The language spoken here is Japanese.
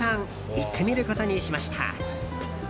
行ってみることにしました。